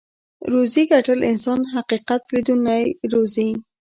روزي ګټل انسان حقيقت ليدونی روزي.